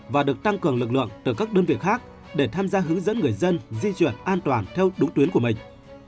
và được tăng cường lực lượng từ các đơn vị khác để tham gia hướng dẫn người dân di chuyển an toàn theo đúng tuyến của mình